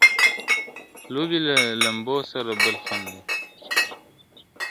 لوبي له لمبو سره بل خوند لري !.